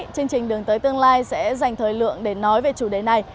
chương trình đường tới tương lai sẽ dành thời lượng để nói về chủ đề này